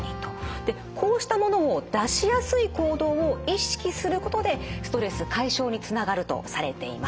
こうしたものを出しやすい行動を意識することでストレス解消につながるとされています。